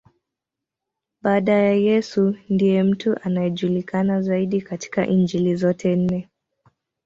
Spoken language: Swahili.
Baada ya Yesu, ndiye mtu anayejulikana zaidi katika Injili zote nne.